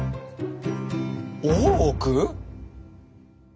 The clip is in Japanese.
「大奥」？